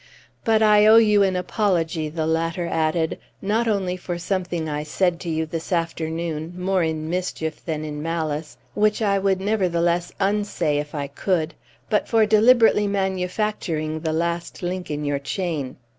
"But I owe you an apology," the latter added, "not only for something I said to you this afternoon, more in mischief than in malice, which I would nevertheless unsay if I could, but for deliberately manufacturing the last link in your chain.